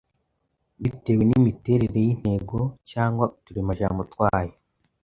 bitewe n’imiterere y’intego cyangwa uturemajambo twayo.